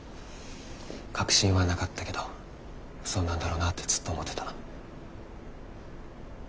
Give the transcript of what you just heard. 確信はなかったけどそうなんだろうなってずっと思ってた。